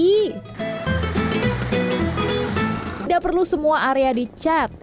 nih udah perlu semua area dicat